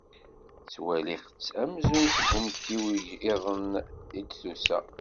Ttwaliɣ-tt amzun seg umtiweg-iḍen i d-tusa.